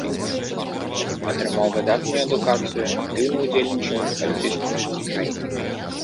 Атрымаў выдатную адукацыю, актыўна ўдзельнічаў у палітычным жыцці краіны.